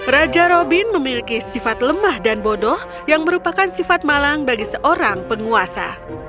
raja robin memiliki sifat lemah dan bodoh yang merupakan sifat malang bagi seorang penguasa